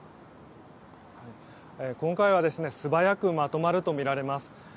今回は素早くまとまるとみられます。